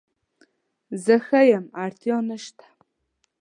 زه ښه یم اړتیا نشته